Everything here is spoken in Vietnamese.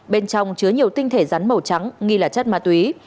bên trong chứa nhiều tinh thể rắn màu trắng nghi là chất ma túy